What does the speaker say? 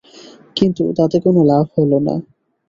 কিন্তু তাতে কোনো লাভ হলো না।